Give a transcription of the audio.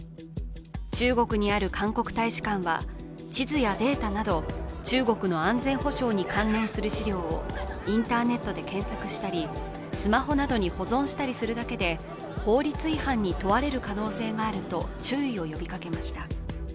中国にある韓国大使館は地図やデータなど中国の安全保障に関連する資料をインターネットで検索したり、スマホなどに保存したりするだけで法律違反に問われる可能性があると注意を呼びかけました。